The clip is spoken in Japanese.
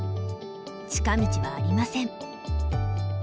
近道はありません。